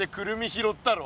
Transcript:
拾ったろ。